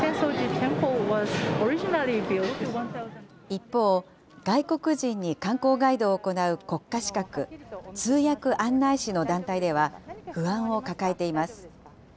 一方、外国人に観光ガイドを行う国家資格、通訳案内士の団体では、不安を抱えています。